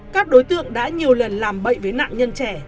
các đối tượng đã nhiều lần làm bậy với nạn nhân trẻ